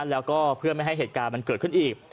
แล้วก็เพื่อไม่ให้เหตุการณ์มันเกิดขึ้นอีก